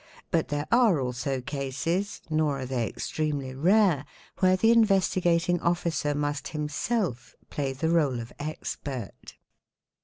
But there are also cases, nor are they extremely rare, where the Investi gating Officer must himself play the réle of expert.